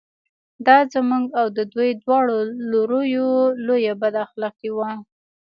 دا زموږ او د دوی دواړو لوریو لویه بد اخلاقي وه.